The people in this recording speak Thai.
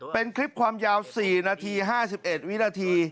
เป็นคลิปความยาว๔นาที๕๑วินาที